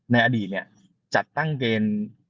ในอดีตเนี่ยจัดตั้งเกณฑ์